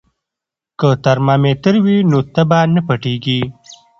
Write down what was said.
که ترمامیتر وي نو تبه نه پټیږي.